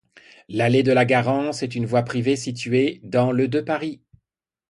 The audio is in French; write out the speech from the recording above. L'allée de la Garance est une voie privée située dans le de Paris.